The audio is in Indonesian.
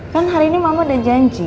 kan hari ini mama ada janji